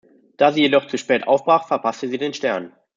Da sie jedoch zu spät aufbrach, verpasste sie den Stern.